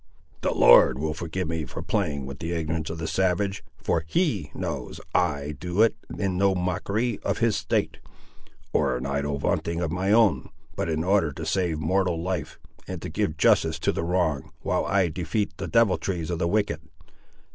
The Lord will forgive me for playing with the ignorance of the savage, for He knows I do it in no mockery of his state, or in idle vaunting of my own; but in order to save mortal life, and to give justice to the wronged, while I defeat the deviltries of the wicked!